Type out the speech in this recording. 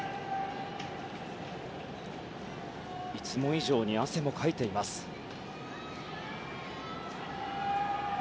いつも以上に汗もかいています大谷。